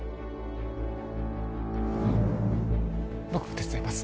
僕も手伝います